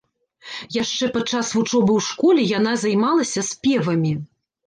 Яшчэ падчас вучобы ў школе яна займалася спевамі.